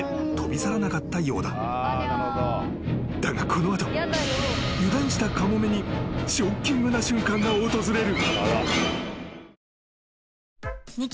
［だがこの後油断したカモメにショッキングな瞬間が訪れる］